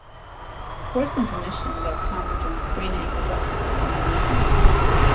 Forced intermissions are common during screenings of western films in India.